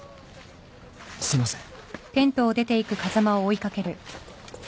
すいません。